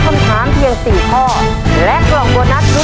ภายในเวลา๓นาที